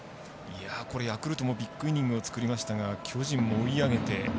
ヤクルトもビッグイニング作りましたが巨人も追い上げて。